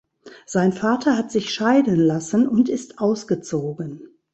Sein Vater hat sich scheiden lassen und ist ausgezogen.